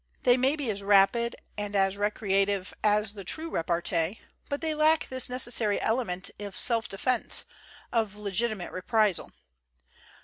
They 168 THE GENTLE ART OF REPARTEE may be as rapid and as recreative as the true repartee, but they lack this necessary element of self defense, of legitimate reprisal.